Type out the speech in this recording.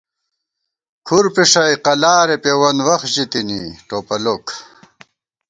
کھُر پھِݭَئ قلارےپېوَن وخت ژِتِنی، ٹوپَلوک